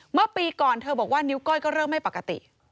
เมื่อปีก่อนเธอบอกว่านิ้วก้อยก็เริ่มไม่ปกติ